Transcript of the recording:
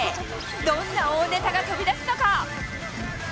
どんな大ネタが飛び出すのか。